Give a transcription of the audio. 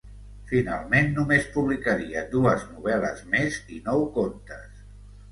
Finalment només publicaria dues novel·les més i nou contes.